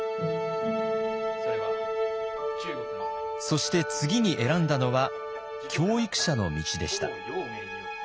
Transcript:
そして次に選んだのは教育者の道でした。